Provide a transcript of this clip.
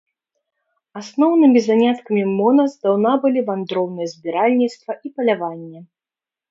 Асноўнымі заняткамі мона здаўна былі вандроўнае збіральніцтва і паляванне.